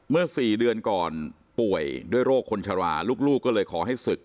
๔เดือนก่อนป่วยด้วยโรคคนชราลูกก็เลยขอให้ศึก